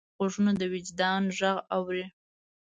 غوږونه د وجدان غږ اوري